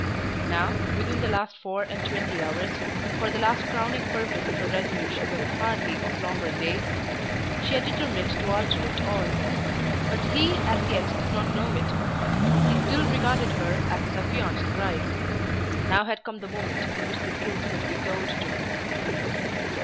Now, within the last four and twenty hours, for the last crowning purpose of her resolution was hardly of longer date, she had determined to alter it all. But he as yet did not know it. He still regarded her as his affianced bride. Now had come the moment in which the truth must be told to him.